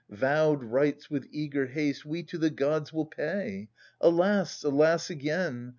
Vowed rites, with eager haste, we to the gods will pay ! Alas, alas again